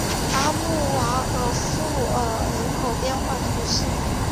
大穆瓦厄夫尔人口变化图示